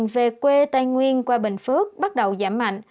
về quê tây nguyên qua bình phước bắt đầu giảm mạnh